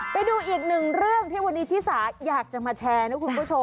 ไปดูอีกหนึ่งเรื่องที่วันนี้ชิสาอยากจะมาแชร์นะคุณผู้ชม